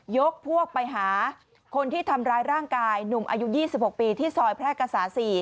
ยกพวกไปหาคนที่ทำร้ายร่างกายหนุ่มอายุ๒๖ปีที่ซอยแพร่กษา๔